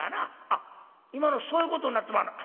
「あっ今のそういうことになってまんの？